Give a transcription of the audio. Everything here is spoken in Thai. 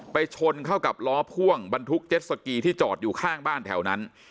ชนเข้ากับล้อพ่วงบรรทุกเจ็ดสกีที่จอดอยู่ข้างบ้านแถวนั้น